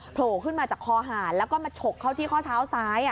โผล่ขึ้นมาจากคอหารแล้วก็มาฉกเข้าที่ข้อเท้าซ้าย